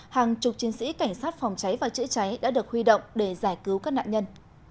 hàng chục chiến sĩ cảnh sát phòng cháy và chữa cháy đã được huy động để giải cứu các nạn nhân